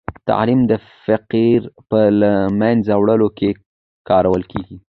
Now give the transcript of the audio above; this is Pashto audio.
تعلیم د فقر په له منځه وړلو کې کارول کېږي.